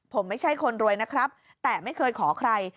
ผมไม่ใช่คนรวยนะครับแต่ไม่เคยขอใคร